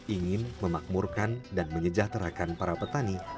ingin memakmurkan dan menyejahterakan para petani